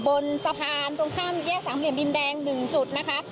บนสะพานตรงข้ามแยก๓เดียงบินแดงหนึ่งจุดนะคะ